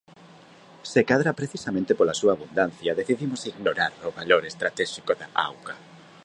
Se cadra precisamente pola súa abundancia, decidimos ignorar o valor estratéxico da auga.